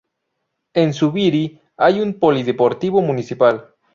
En Zubiri hay un polideportivo municipal.